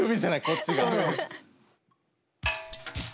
こっちが。